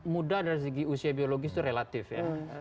muda dari segi usia biologis itu relatif ya